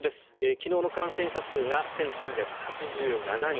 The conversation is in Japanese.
昨日の感染者数が１３８７人。